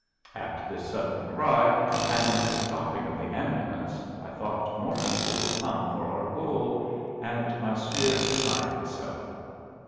At this sudden cry and the stopping of the ambulance I thought more people were come for our gold, and my spirit resigned itself.